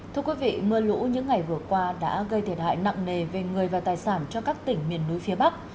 thưa quý vị mưa lũ những ngày vừa qua đã gây thiệt hại nặng nề về người và tài sản cho các tỉnh miền núi phía bắc